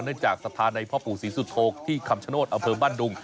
เนื่องจากสถานในพ่อปู่ศรีสุทธโภคที่คำชโนธอเผิมบ้านดุง